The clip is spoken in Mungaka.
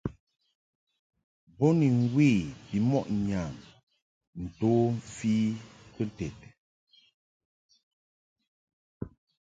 Bo ni mwe bimɔʼ ŋyam nto mfi kɨnted.